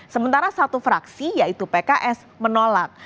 sementara satu fraksi yaitu pks menolak